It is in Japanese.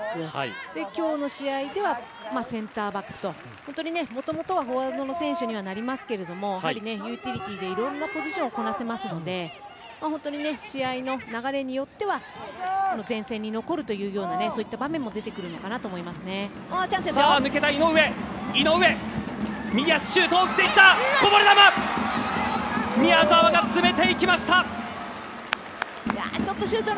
そして今日の試合ではセンターバックともともとはフォワードの選手にはなりますけれどもユーティリティーでいろんなポジションをこなせますので試合の流れによっては前線に残るというようなそういった場面も井上、右足シュート！